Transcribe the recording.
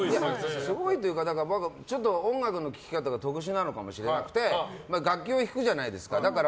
すごいというか音楽の聴き方が特殊なのかもしれなくて楽器を弾くじゃないですか。